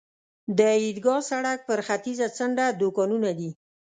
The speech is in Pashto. د عیدګاه سړک پر ختیځه څنډه دوکانونه دي.